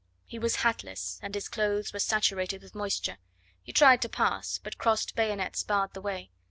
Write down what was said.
He was hatless, and his clothes were saturated with moisture. He tried to pass, but crossed bayonets barred the way.